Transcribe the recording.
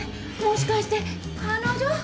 もしかして彼女？